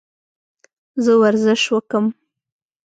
زه ورزش وکم؟